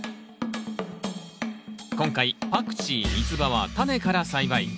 今回パクチーミツバはタネから栽培。